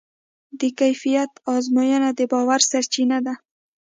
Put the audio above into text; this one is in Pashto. د کیفیت ازموینه د باور سرچینه ده.